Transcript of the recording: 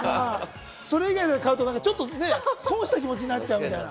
それ以外で買うとちょっと損した気持ちになっちゃうみたいな。